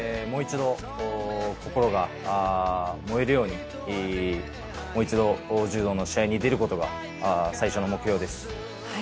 もう一度、心が燃えるようにもう一度、柔道の試合に出ることが最初の目標です。